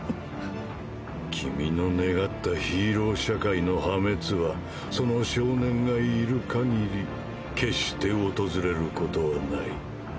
君の願った「ヒーロー社会の破滅」はその少年がいる限り決して訪れることはない。